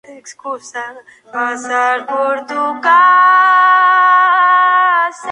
Algunos tenores son conocidos en especial por sus interpretaciones del Evangelista.